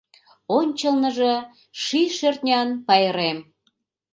Ончылныжо — Ший-шӧртнян пайрем.